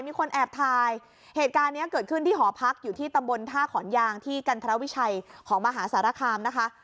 มีคนแอบถ่ายเหตุการณ์เนี้ยเกิดขึ้นที่หอพักอยู่ที่ตำบลท่าขอนยางที่กันทรวิชัยของมหาสารคามนะคะ